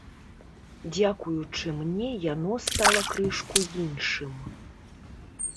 Дзякуючы мне, яно стала крышку іншым.